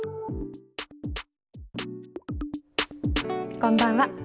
こんばんは。